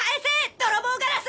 泥棒ガラス！